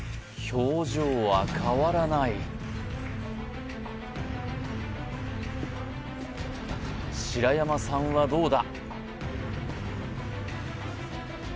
表情は変わらない白山さんはどうだ？